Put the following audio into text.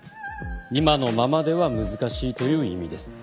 今のままでは難しいという意味です。